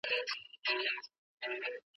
ايا تاسې د ظهار کفاره ادا کړې ده؟